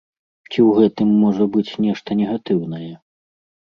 Ці ў гэтым можа быць нешта негатыўнае?